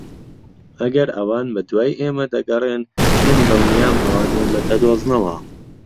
ئەگەر ئەوان بەدوای ئێمە دەگەڕێن، من دڵنیام ئەوان ئێمە دەدۆزنەوە.